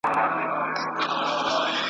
بېګانه سي له وطنه له خپلوانو `